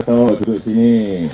tuh duduk sini